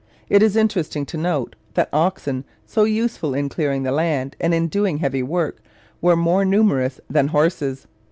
It is interesting to note that oxen, so useful in clearing land and in doing heavy work, were more numerous than horses.